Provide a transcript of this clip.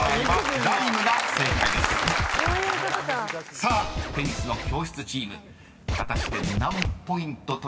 ［さあ女神の教室チーム果たして何ポイント取れるか］